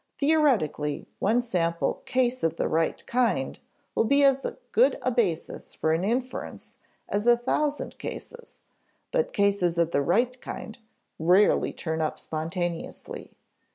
Theoretically, one sample case of the right kind will be as good a basis for an inference as a thousand cases; but cases of the "right kind" rarely turn up spontaneously.